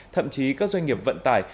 thậm chí các doanh nghiệp vận tải